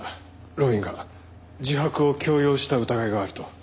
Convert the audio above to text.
路敏が自白を強要した疑いがあると。